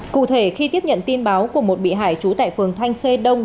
cụ thể khi tiếp nhận tin báo của một bị hại trú tại phường thanh khê đông